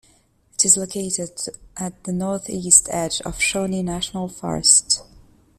It is located at the northeast edge of Shawnee National Forest.